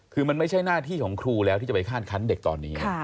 คือมันไม่ใช่หน้าที่ของครูแล้วที่จะไปคาดคันเด็กตอนนี้